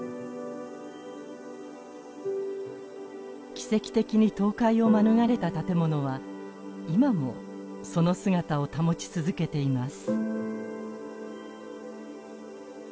奇跡的に倒壊を免れた建物は今もその姿を保ち続けています。